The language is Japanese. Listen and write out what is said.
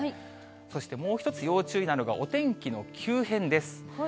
そしてもう一つ要注意なのが、お天気の急変です。